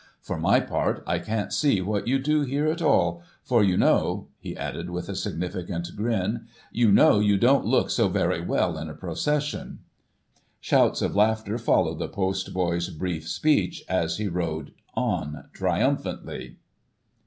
For my part, I can't see what you do here at all, for you know '— ^he added with a significant grin —* you know you don't look so very well in a procession.' Shouts of laughter followed the post boy's brief speech, as he rode on trium phantly."